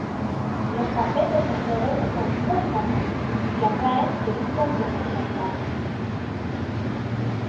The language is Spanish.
Los tapetes de flores son muy famosos y atraen turistas de muchas partes.